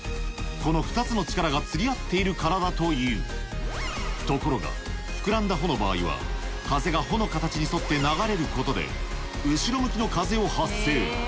この２つの力が釣り合っているからだというところが膨らんだ帆の場合は風が帆の形に沿って流れることで後ろ向きの風を発生